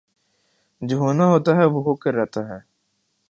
جو ہونا ہوتاہےوہ ہو کر رہتا ہے